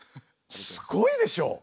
すごいでしょ？